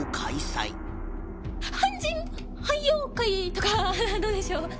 『半人半妖怪』とかどうでしょう？